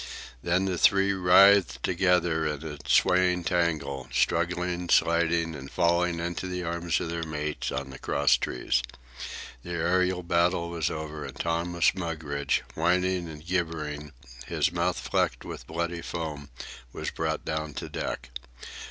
Then the three writhed together in a swaying tangle, struggling, sliding, and falling into the arms of their mates on the crosstrees. The aërial battle was over, and Thomas Mugridge, whining and gibbering, his mouth flecked with bloody foam, was brought down to deck.